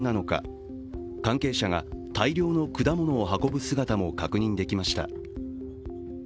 また、選手たちの朝食なのか、関係者が大量の果物を運ぶ姿も確認できました。